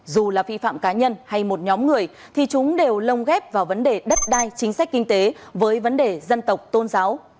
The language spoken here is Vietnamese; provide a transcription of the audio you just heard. dù là vi phạm cá nhân hay một nhóm người thì chúng đều lông ghép vào vấn đề đất đai chính sách kinh tế với vấn đề dân tộc tôn giáo